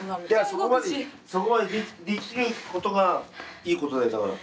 そこまでそこまでできることがいいことだよだから。